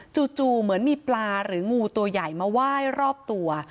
เหมือนมีปลาหรืองูตัวใหญ่มาไหว้รอบตัว